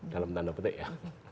dalam tanda petik ya